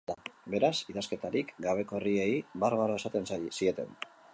Beraz, idazkerarik gabeko herriei barbaro esaten zieten.